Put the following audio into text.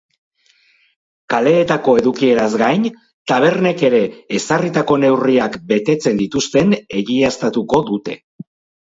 Kaleetako edukieraz gain, tabernek ere ezarritako neurriak betetzen dituzten egiaztatuko dute.